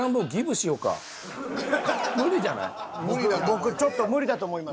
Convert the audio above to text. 僕ちょっと無理だと思います。